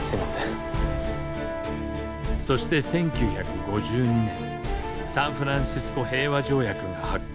そして１９５２年サンフランシスコ平和条約が発効。